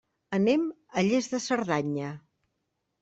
Anem a Lles de Cerdanya.